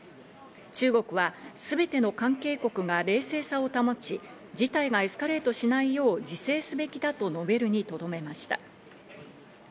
中国はすべての関係国が冷静さを保ち、事態がエスカレートしないよう自制すべきだと述べるにとどめました。